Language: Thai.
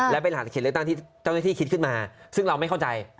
และเป็นหลักเขตเลือกตั้งที่เจ้าหน้าที่คิดขึ้นมาซึ่งเราไม่เข้าใจ